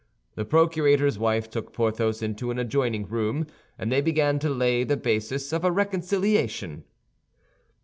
The procurator's wife took Porthos into an adjoining room, and they began to lay the basis of a reconciliation.